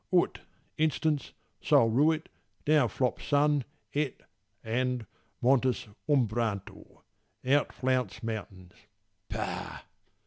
Ut, Instance: Sol ruit, down flops sun, et and, Montes umbrantur, out flounce mountains. Pah!